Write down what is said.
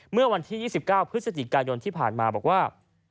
เมื่อวันที่๒๙พฤศจิกายนที่ผ่านมาบอกว่า